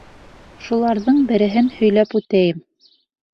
Шуларҙың береһен һөйләп үтәйем.